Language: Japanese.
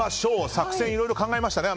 作戦いろいろ考えましたね